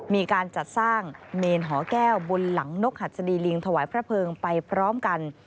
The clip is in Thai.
มีการจัดสร้างเมนหอแก้วบนหลังนกหัสดีลิงถวายพระเพิงไปพร้อมกัน